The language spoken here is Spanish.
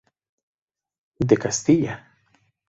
De Castilla.